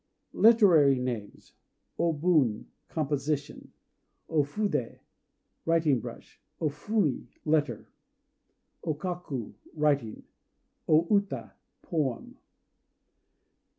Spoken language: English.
LITERARY NAMES O Bun "Composition." O Fudé "Writing Brush." O Fumi "Letter." O Kaku "Writing." O Uta "Poem."